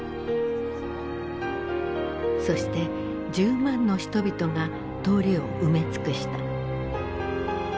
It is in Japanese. そして１０万の人々が通りを埋め尽くした。